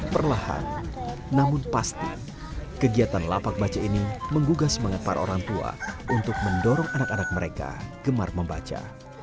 perlahan namun pasti kegiatan lapak baca ini menggugah semangat para orang tua untuk mendorong anak anak mereka gemar membaca